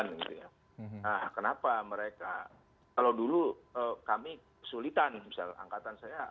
nah kenapa mereka kalau dulu kami kesulitan misal angkatan saya